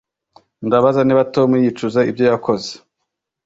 Ndabaza niba Tom yicuza ibyo yakoze